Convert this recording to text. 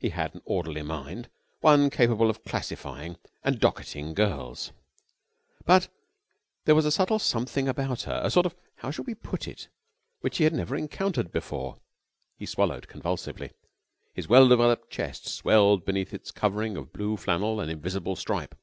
He had an orderly mind, one capable of classifying and docketing girls. But there was a subtle something about her, a sort of how shall one put it, which he had never encountered before. He swallowed convulsively. His well developed chest swelled beneath its covering of blue flannel and invisible stripe.